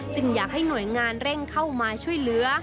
อยากให้หน่วยงานเร่งเข้ามาช่วยเหลือ